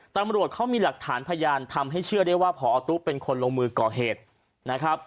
ตำรวจเขามีหลักฐานพยานทำให้เชื่อได้ว่าพอตุ๊เป็นคนลงมือก่อเหตุนะครับ